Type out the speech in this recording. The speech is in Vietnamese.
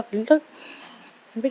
các học viên có nhận thức